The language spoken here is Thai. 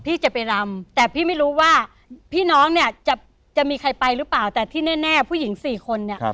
พี่จะไปรำแต่พี่ไม่รู้ว่าพี่น้องเนี่ยจะมีใครไปหรือเปล่าแต่ที่แน่ผู้หญิงสี่คนเนี่ย